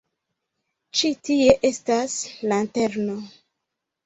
Ĉi tie estas lanterno.